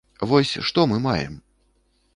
Вось што мы маем?